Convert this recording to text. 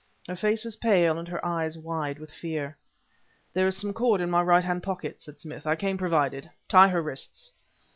Her face was pale and her eyes wide with fear. "There is some cord in my right hand pocket," said Smith; "I came provided. Tie her wrists."